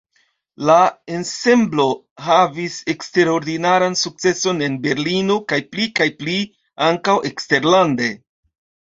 La ensemblo havis eksterordinaran sukceson en Berlino, kaj pli kaj pli ankaŭ eksterlande.